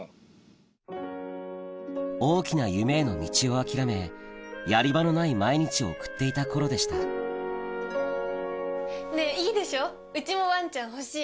大きな夢への道を諦めやり場のない毎日を送っていた頃でしたねぇいいでしょうちもワンちゃん欲しい。